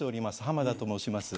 濱田と申します